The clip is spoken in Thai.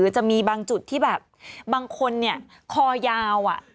จะมีบางจุดที่แบบบางคนเนี่ยคอยาว